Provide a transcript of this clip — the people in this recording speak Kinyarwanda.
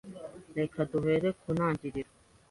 Reka duhere ku ntangiriro.